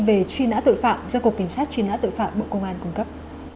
về truy nã tội phạm do cục cảnh sát truy nã tội phạm bộ công an cung cấp